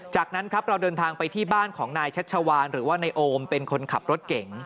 จากนั้นครับเราเดินทางไปที่บ้านของนายชัชวานหรือว่านายโอมเป็นคนขับรถเก่ง